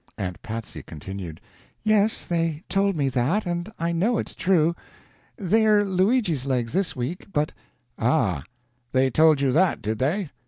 Aunt Patsy continued: "Yes, they told me that, and I know it's true. They're Luigi's legs this week, but " "Ah, they told you that, did they?"